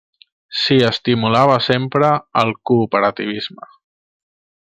S'hi estimulava sempre el cooperativisme.